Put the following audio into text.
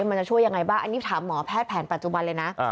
มันจะช่วยยังไงบ้างอันนี้ถามหมอแพทย์แผนปัจจุบันเลยนะ